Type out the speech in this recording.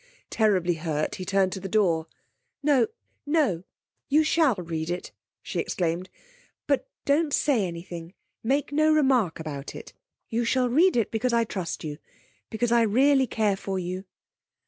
Terribly hurt, he turned to the door. 'No no, you shall read it!' she exclaimed. 'But don't say anything, make no remark about it. You shall read it because I trust you, because I really care for you.'